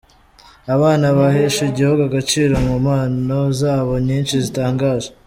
Abana baheshe igihugu Agaciro mu mpano zabo nyinshi zitangaje